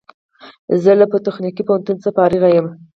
زه له پولیتخنیک پوهنتون څخه فارغ یم